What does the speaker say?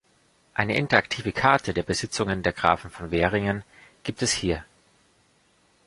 Eine interaktive Karte der Besitzungen der Grafen von Veringen gibt es hier.